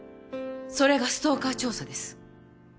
それがストーカー調査です。